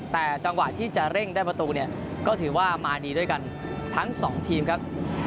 แต่จังหวะที่จะเร่งได้ประตูเนี่ยก็ถือว่ามาดีด้วยกันทั้งสองทีมครับ